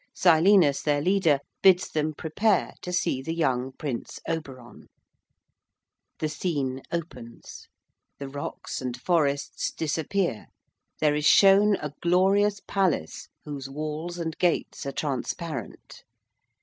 Silenus, their leader, bids them prepare to see the young Prince Oberon. The scene opens: the rocks and forests disappear: there is shown a glorious palace whose walls and gates are transparent.